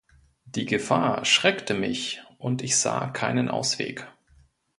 Die Gefahr schreckte mich und ich sah keinen Ausweg.